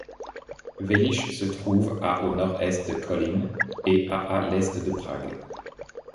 Veliš se trouve à au nord-est de Kolín et à à l'est de Prague.